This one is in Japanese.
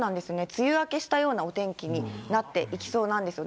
梅雨明けしたようなお天気になっていきそうなんです。